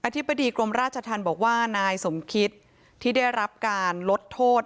ธิบดีกรมราชธรรมบอกว่านายสมคิตที่ได้รับการลดโทษ